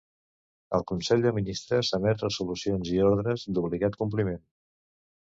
El Consell de Ministres emet resolucions i ordres d'obligat compliment.